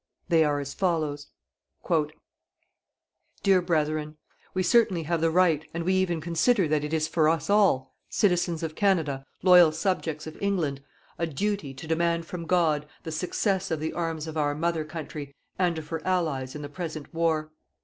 They are as follows: "Dear Brethren, we certainly have the right, and we even consider that it is for us all, citizens of Canada, loyal subjects of England, a duty to demand from God the success of the arms of our Mother country and of her Allies in the present war.